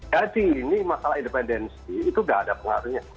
jadi ini masalah independensi itu sudah ada pengaruhnya